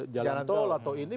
jalan tol atau ini